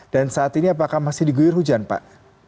dan saat ini apakah masih diguyur hujan pak